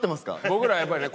僕らはやっぱりね